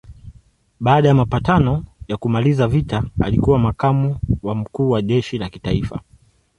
Baada ya mapatano ya kumaliza vita alikuwa makamu wa mkuu wa jeshi la kitaifa.